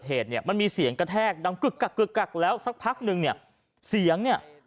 เหตุเนี่ยมันมีเสียงกระแทกดังกึกกักกึกกักแล้วสักพักนึงเนี่ยเสียงเนี่ย